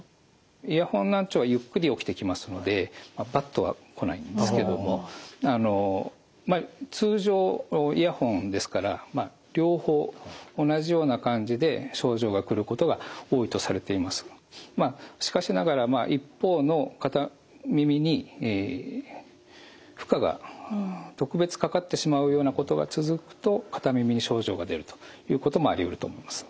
イヤホン難聴はゆっくり起きてきますのでバッとは来ないんですけれどもあの通常イヤホンですからしかしながら一方の片耳に負荷が特別かかってしまうようなことが続くと片耳に症状が出るということもありうると思います。